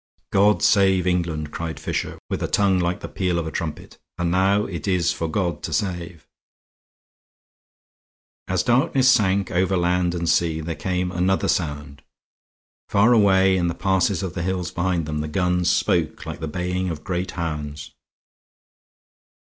"God save England!" cried Fisher, with a tongue like the peal of a trumpet. "And now it is for God to save." As darkness sank again over land and sea, there came another sound; far away in the passes of the hills behind them the guns spoke like the baying of great hounds.